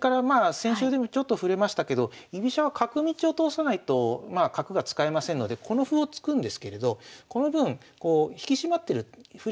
先週でもちょっと触れましたけど居飛車は角道を通さないとまあ角が使えませんのでこの歩を突くんですけれどこの分引き締まってる振り